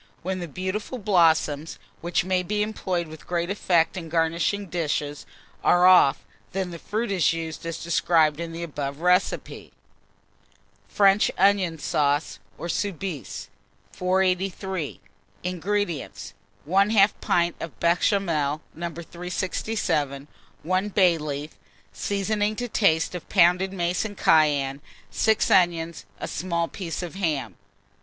When the beautiful blossoms, which may be employed with great effect in garnishing dishes, are off, then the fruit is used as described in the above recipe. FRENCH ONION SAUCE, or SOUBISE. 483. INGREDIENTS. 1/2 pint of Béchamel, No. 367, 1 bay leaf, seasoning to taste of pounded mace and cayenne, 6 onions, a small piece of ham.